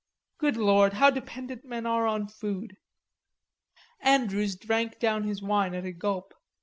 Good Lord, how dependent men are on food!" Andrews drank down his wine at a gulp.